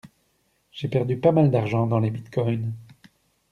J'ai perdu pas mal d'argent dans les bitcoin.